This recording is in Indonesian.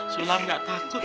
sulam gak takut